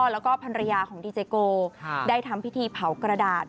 แล้วก็ภรรยาของดีเจโกได้ทำพิธีเผากระดาษ